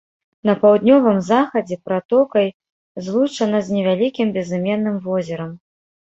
На паўднёвым захадзе пратокай злучана з невялікім безыменным возерам.